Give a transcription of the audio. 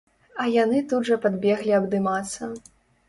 А яны тут жа падбеглі абдымацца.